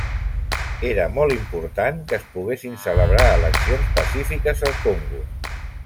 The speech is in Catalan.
Era molt important que es poguessin celebrar eleccions pacífiques al Congo.